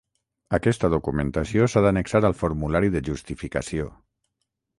Aquesta documentació s'ha d'annexar al formulari de justificació.